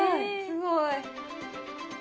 すごい。